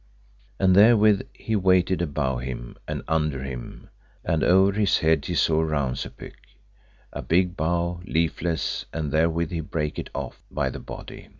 And therewith he waited above him and under him, and over his head he saw a rownsepyk, a big bough leafless, and therewith he brake it off by the body.